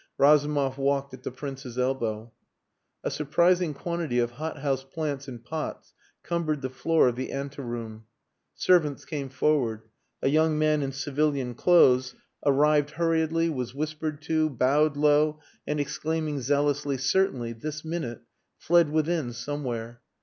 Razumov walked at the Prince's elbow. A surprising quantity of hot house plants in pots cumbered the floor of the ante room. Servants came forward. A young man in civilian clothes arrived hurriedly, was whispered to, bowed low, and exclaiming zealously, "Certainly this minute," fled within somewhere.